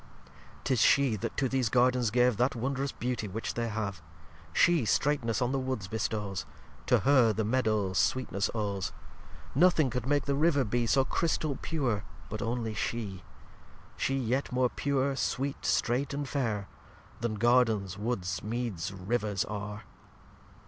lxxxvii 'Tis She that to these Gardens gave That wondrous Beauty which they have; She streightness on the Woods bestows; To Her the Meadow sweetness owes; Nothing could make the River be So Chrystal pure but only She; She yet more Pure, Sweet, Streight, and Fair, Then Gardens, Woods, Meads, Rivers are.